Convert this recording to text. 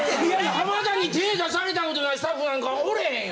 浜田に手出されたことないスタッフなんかおれへんよ。